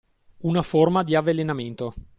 Una forma di avvelenamento.